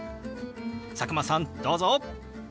佐久間さんどうぞ！